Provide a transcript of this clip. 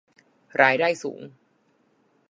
รายได้สูง